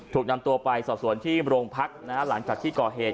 ถูกนำตัวไปสอบสวนที่โรงพักนะฮะหลังจากที่ก่อเหตุ